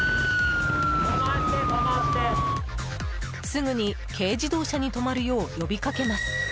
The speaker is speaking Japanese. すぐに軽自動車に止まるよう呼びかけます。